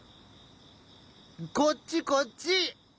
こっちこっち！